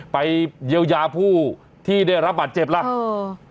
ไปเยียวยาผู้ที่ได้รับบาดเจ็บล่ะเออ